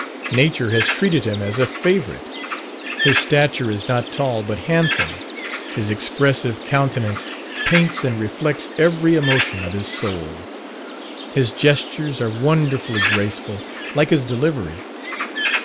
Nature has treated him as a favourite. His stature is not tall, but handsome; his expressive countenance paints and reflects every emotion of his soul. His gestures are wonderfully graceful, like his delivery.